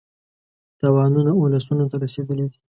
تاوانونه اولسونو ته رسېدلي دي.